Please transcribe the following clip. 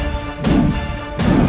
aku tidak wel dummy